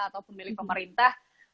atau pemilik pemerintah